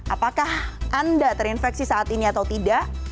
apakah anda terinfeksi saat ini atau tidak